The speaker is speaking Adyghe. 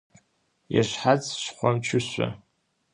Işshats şşxhomçışso.